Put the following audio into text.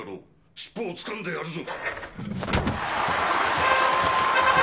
尻尾をつかんでやるぞ！